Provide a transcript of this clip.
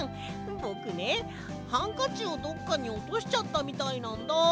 ぼくねハンカチをどっかにおとしちゃったみたいなんだ。